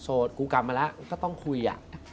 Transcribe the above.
กูกลับมาแล้วก็ต้องคุยอ่ะ